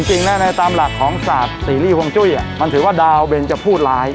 จริงนะในตามหลักของศาสตร์ซีรีสวงจุ้ยมันถือว่าดาวเบนจะพูดร้าย